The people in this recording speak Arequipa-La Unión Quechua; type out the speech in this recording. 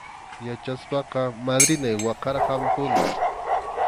Yachaspaqa madrinay waqarqanpunim.